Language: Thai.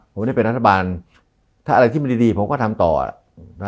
ผมได้เป็นรัฐบาลถ้าอะไรที่มันดีผมก็ทำต่อ